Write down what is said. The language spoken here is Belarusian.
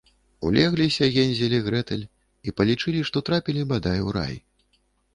Улегліся Гензель і Грэтэль і палічылі, што трапілі, бадай, у рай